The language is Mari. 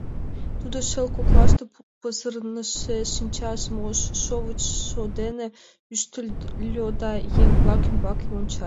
Тудо шел коклаш пызырныше шинчажым ош шовычшо дене ӱштыльӧ да еҥ-влак ӱмбаке ончале.